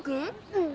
うん。